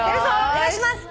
お願いします。